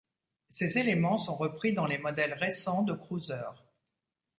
Ces éléments sont repris dans les modèles récents de cruisers.